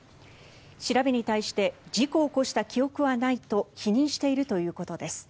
調べに対して事故を起こした記憶はないと否認しているということです。